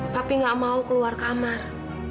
tapi nggak mau keluar kamar